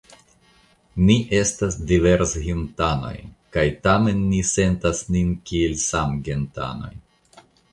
Ni estas diversgentanoj, kaj tamen ni sentas nin kiel samgentanoj.